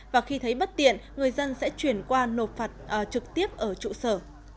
và khi thấy bất tiện người dân sẽ chuyển qua nộp phạt trực tiếp ở trụ sở